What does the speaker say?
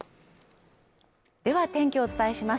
では天気をお伝えします。